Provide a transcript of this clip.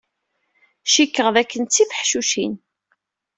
Cikkeɣ dakken d tifeḥcucin.